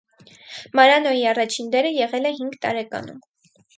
Մարանոյի առաջին դերը եղել է հինգ տարեկանում։